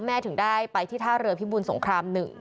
ถึงได้ไปที่ท่าเรือพิบูลสงคราม๑